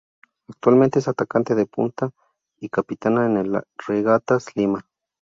Actualmente es Atacante de Punta y capitana en el Regatas Lima.